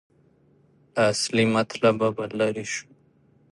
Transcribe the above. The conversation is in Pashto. له اصلي مطلبه به لرې شو.